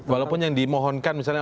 walaupun yang dimohonkan misalnya